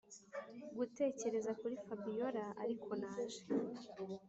gutekereza kuri fabiora ariko naje